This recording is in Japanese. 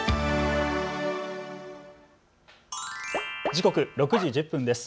時刻６時１０分です。